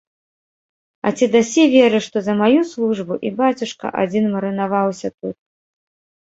А ці дасі веры, што за маю службу і бацюшка адзін марынаваўся тут?